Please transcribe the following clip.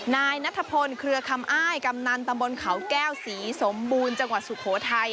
นายนัทพลเครือคำอ้ายกำนันตำบลเขาแก้วศรีสมบูรณ์จังหวัดสุโขทัย